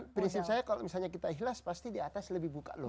prinsip saya kalau misalnya kita ikhlas pasti di atas lebih buka loh